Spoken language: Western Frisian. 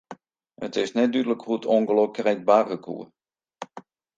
It is net dúdlik hoe't it ûngelok krekt barre koe.